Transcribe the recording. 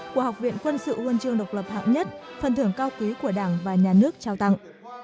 của học viện quân sự uân trường độc lập hạng nhất phần thưởng cao quý của đảng và nhà nước trao tặng